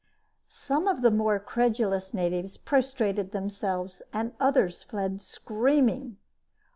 Some of the more credulous natives prostrated themselves and others fled screaming.